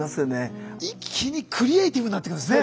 一気にクリエーティブになってくるんですね。